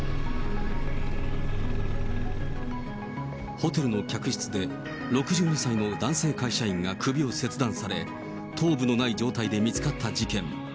ホテルの客室で、６２歳の男性会社員が首を切断され、頭部のない状態で見つかった事件。